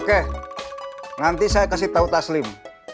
oke nanti saya kasih tau taslim